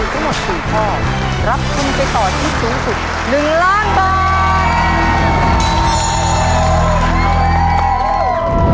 ถูก๖ข้อรับทุนไปต่อชีวิตสูงสุด๑๐๐๐๐๐๐บาท